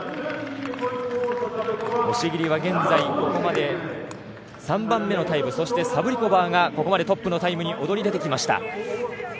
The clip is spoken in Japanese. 押切は現在、ここまで３番目のタイムそしてサブリコバーがここまでトップのタイムに躍り出てきました。